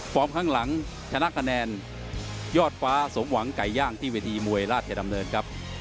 ข้างหลังชนะคะแนนยอดฟ้าสมหวังไก่ย่างที่เวทีมวยราชดำเนินครับ